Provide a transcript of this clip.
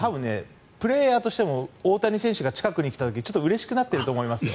プレーヤーとしても大谷選手が近くに来た時にちょっとうれしくなってると思いますよ。